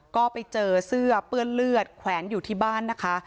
ก็ไปเจอเสื้อเปื้อนเลือดแขวนอยู่ที่บ้านนะคะ